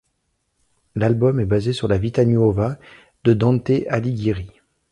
L'album est basé sur la Vita Nuova de Dante Alighieri.